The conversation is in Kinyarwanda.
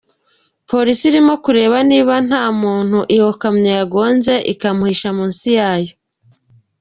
Polisi irimo kureba niba nta muntu iyo kamyo yagonze ikamuhisha munsi yayo.